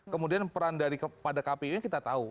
kemudian peran dari pada kpu nya kita tahu